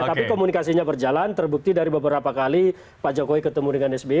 tapi komunikasinya berjalan terbukti dari beberapa kali pak jokowi ketemu dengan sby